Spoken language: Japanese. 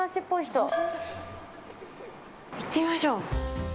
行ってみましょう。